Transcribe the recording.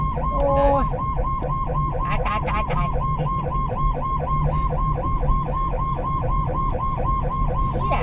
ผู้ชีพเราบอกให้สุจรรย์ว่า๒